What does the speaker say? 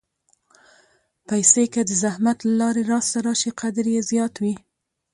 پېسې که د زحمت له لارې لاسته راشي، قدر یې زیات وي.